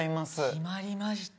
決まりました。